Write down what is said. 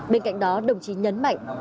bên cạnh đó đồng chí nhấn mạnh